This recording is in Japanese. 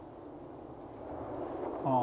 「ああ」